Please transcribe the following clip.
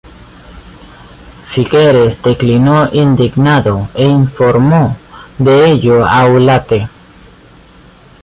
Figueres declinó indignado e informó de ello a Ulate.